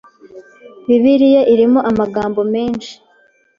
Bibiliya irimo amagambo menshi